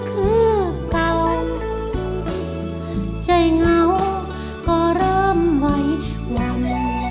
คือเก่าใจเหงาก็เริ่มไว้วางแล้ว